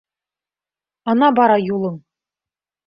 Ана бара юлың!